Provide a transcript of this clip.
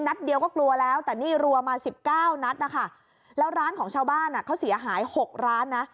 นัดเดียวก็กลัวแล้วแต่นี่รัวมา๑๙นัดแล้วร้านของชาวบ้านเขาเสียหาย๖ร้าน